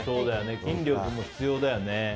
筋力も必要だよね。